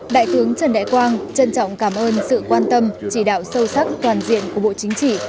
đại tướng trần đại quang trân trọng cảm ơn sự quan tâm chỉ đạo sâu sắc toàn diện của bộ chính trị